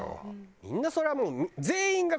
みんなそれはもう。